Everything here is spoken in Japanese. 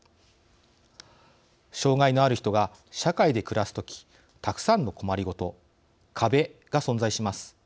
障害のある人が社会で暮らすときたくさんの困りごと「壁」が存在します。